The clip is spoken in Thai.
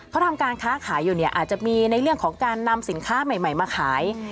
เขาทำการค้าขายอยู่เนี่ยอาจจะมีในเรื่องของการนำสินค้าใหม่มาขาย